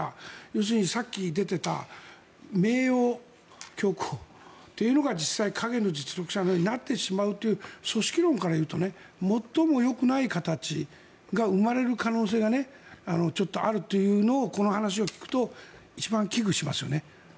要するにさっき出ていた名誉教皇というのが実際影の実力者になってしまうという組織論から言うと最もよくない形が生まれる可能性があるというのをこの話を聞くと一番危惧しますよね。